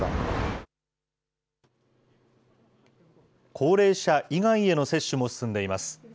高齢者以外への接種も進んでいます。